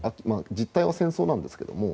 実態は戦争なんですけども。